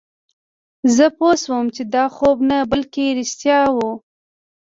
زه پوه شوم چې دا خوب نه بلکې رښتیا وه